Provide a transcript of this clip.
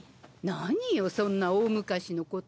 何よそんな大昔のこと。